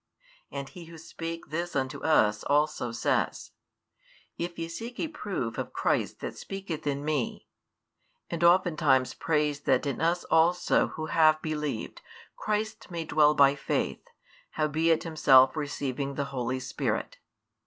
And he who spake this unto us, also says: If ye seek a proof of Christ That speaketh in Me; and oftentimes prays that in us also, who have believed, Christ may dwell by faith, howbeit himself receiving the Holy Spirit.